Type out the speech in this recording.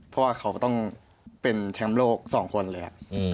เพราะว่าเขาต้องเป็นแชมป์โลกสองคนเลยครับ